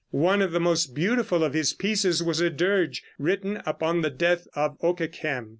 One of the most beautiful of his pieces was a dirge written upon the death of Okeghem.